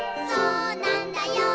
「そうなんだよ」